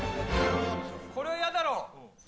これは嫌だろう。